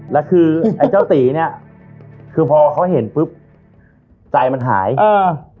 แล้วคือไอ้เจ้าตีเนี้ยคือพอเขาเห็นปุ๊บใจมันหายเออ